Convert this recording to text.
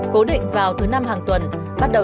cố định vào thứ năm hàng tuần